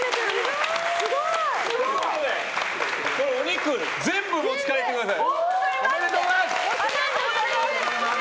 お肉全部持ち帰ってください！